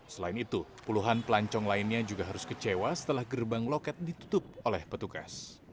selain itu puluhan pelancong lainnya juga harus kecewa setelah gerbang loket ditutup oleh petugas